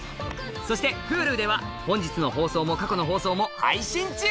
そしてＨｕｌｕでは本日の放送も過去の放送も配信中